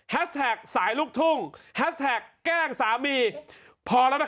แฮชแฮกสาธารณ์ลูกทุ่มแฮชแซกแกล้งสามีพอแล้วนะ